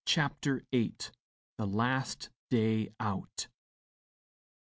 CHAPTER VIII THE LAST DAY OUT.